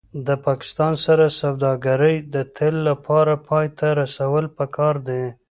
د پاکستان سره سوداګري د تل لپاره پای ته رسول پکار دي